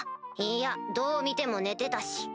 いやどう見ても寝てたし。